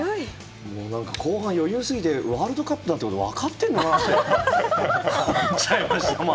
後半、余裕すぎてワールドカップってこと分かってるのかな？って思っちゃいました。